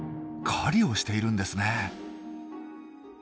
狩りをしているんですね。